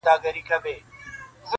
اغېز واخيست ډېر قوي و-